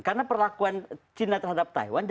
karena perlakuan china terhadap taiwan